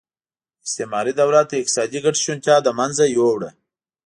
استعماري دولت د اقتصادي ګټې شونتیا له منځه یووړه.